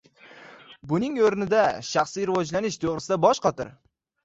Buning o'rniga shaxsiy rivojlanish to'g'risida bosh qotir.